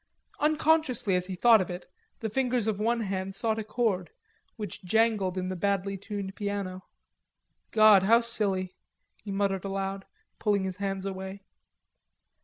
Unconsciously as he thought of it, the fingers of one hand sought a chord, which jangled in the badly tuned piano. "God, how silly!" he muttered aloud, pulling his hands away.